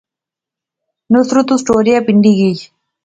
نصرت اس ٹوریا پنڈی گئی